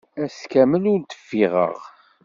Ass kamel ur d-ffiɣeɣ.